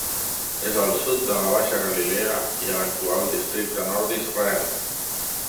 És al sud de la Baixa Galilea i a l'actual districte Nord d'Israel.